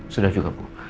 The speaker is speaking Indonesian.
sudah juga bu